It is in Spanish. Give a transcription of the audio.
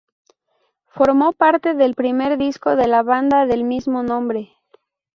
Formó parte del primer disco de la banda del mismo nombre.